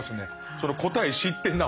その答え知ってなお。